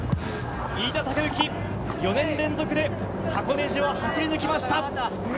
飯田貴之、４年連続で箱根路を走り抜きました。